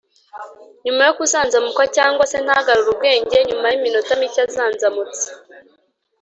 nyuma yo kuzanzamuka cyangwa se ntagarure ubwenge nyuma y iminota mike azanzamutse